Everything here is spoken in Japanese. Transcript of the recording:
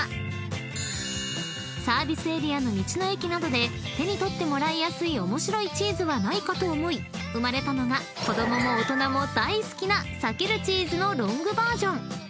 ［サービスエリアの道の駅などで手に取ってもらいやすい面白いチーズはないかと思い生まれたのが子供も大人も大好きなさけるチーズのロングバージョン］